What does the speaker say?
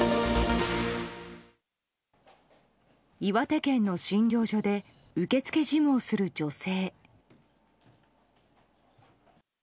岩手県の診療所で受付事務をする女性。